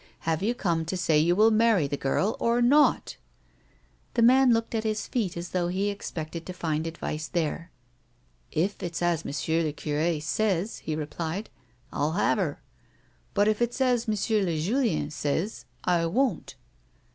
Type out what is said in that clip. " Have you come to say you will marry the girl or not ?" The man looked at his feet as though he expected to find advice there :" If it's as M'sieu I'cur^ says," he replied, I'll have her ; but if it's as M'sieu Julien says, I won't."